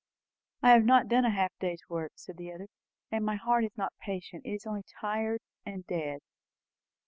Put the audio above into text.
"I have not done a half day's work," said the other; "and my heart is not patient. It is only tired, and dead."